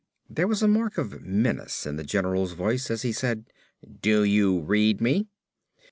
There was a mark of menace in the general's voice as he said, "Do you read me?"